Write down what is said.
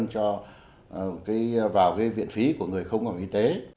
cho vào viện phí của người không có bảo hiểm y tế